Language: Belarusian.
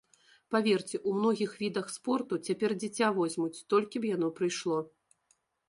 Паверце, у многіх відах спорту цяпер дзіця возьмуць, толькі б яно прыйшло.